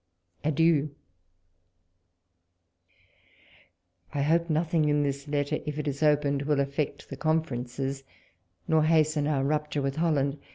Adieu ! I hope nothing in this letter, if it is opened, will affect ihe confcrcncrs, nor hasten our rupture with Holland.